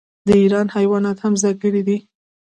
د ایران حیوانات هم ځانګړي دي.